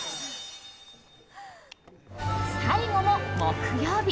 最後も木曜日。